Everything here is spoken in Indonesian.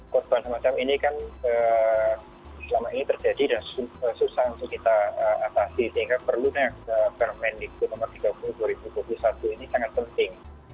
korban semacam ini kan selama ini terjadi dan susah untuk kita atasi sehingga perlunya permendikbud nomor tiga puluh dua ribu dua puluh satu ini sangat penting